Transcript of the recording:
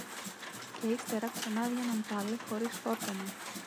και ύστερα ξανάβγαιναν πάλι χωρίς φόρτωμα